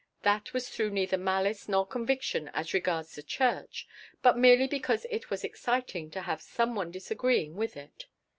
That was through neither malice nor conviction as regards the church, but merely because it was exciting to have some one disagreeing with it.